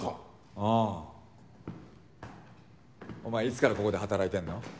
うんお前いつからここで働いてんの？